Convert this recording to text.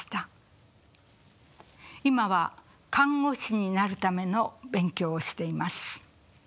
今は看護師になるための勉強をしています。